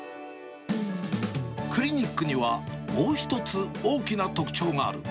クリニックには、もう一つ大きな特徴がある。